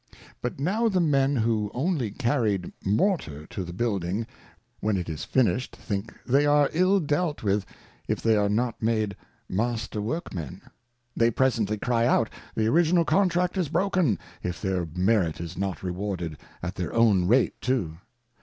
But now the men who only carried Mortar to the Building, when it is finished, think they are ill dealt with if they are not made Master Workmen. They presently cry out. The Original Contract is broken, if their Merit is not rewarded, at their own Rate too.